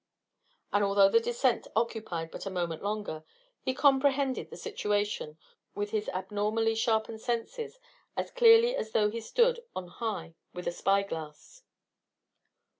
And although the descent occupied but a moment longer, he comprehended the situation, with his abnormally sharpened senses, as clearly as though he stood on high with a spy glass.